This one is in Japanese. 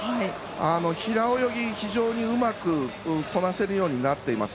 平泳ぎ、非常にうまくこなせるようになっています。